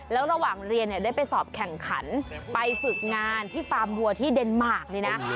แล้วระหว่างเรียนเนี่ยได้ไปสอบแข่งขันไปฝึกงานที่ฟาร์มวัวที่เดนมาร์กเลยนะ